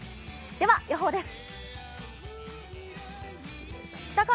では、予報です。